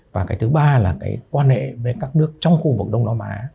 và cái thứ ba là cái quan hệ với các nước trong khu vực đông nam á